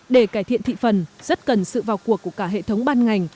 để cải thiện thị phần rất cần sự vào cuộc của cả hệ thống ban ngành